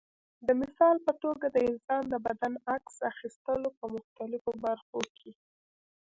د مثال په توګه د انسان د بدن عکس اخیستلو په مختلفو برخو کې.